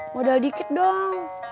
modal dikit dong